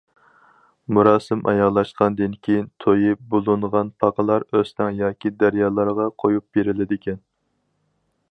مۇراسىم ئاياغلاشقاندىن كېيىن، تويى بولۇنغان پاقىلار ئۆستەڭ ياكى دەريالارغا قويۇپ بېرىلىدىكەن.